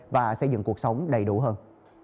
và xây dựng cuộc sống đầy đủ hơn